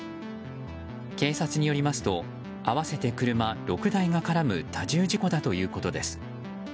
警察によりますと合わせて車６台が絡む多重事故だということです。